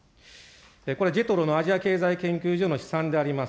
これ、ＪＥＴＲＯのアジア研究所の試算であります。